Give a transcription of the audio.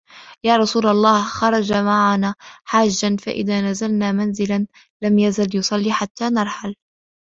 يَا رَسُولَ اللَّهِ خَرَجَ مَعَنَا حَاجًّا فَإِذَا نَزَلْنَا مُنْزِلًا لَمْ يَزَلْ يُصَلِّي حَتَّى نَرْحَلَ